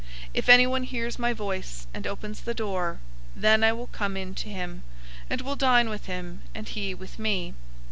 If anyone hears my voice and opens the door, then I will come in to him, and will dine with him, and he with me.